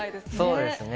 そうですね。